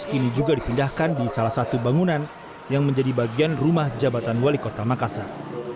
kini juga dipindahkan di salah satu bangunan yang menjadi bagian rumah jabatan wali kota makassar